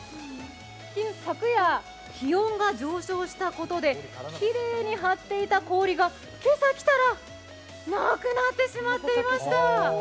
昨夜、気温が上昇したことできれいに張っていた氷が今朝来たらなくなってしまっていました。